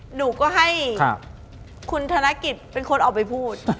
หนูก็ให้คุณธนกิจเป็นคนออกไปพูด